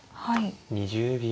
２０秒。